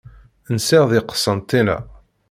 Nsiɣ deg Qsenṭina.